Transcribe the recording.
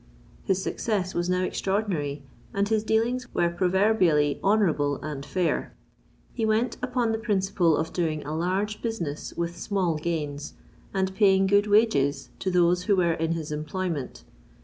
His success was now extraordinary; and his dealings were proverbially honourable and fair. He went upon the principle of doing a large business with small gains, and paying good wages to those who were in his employment.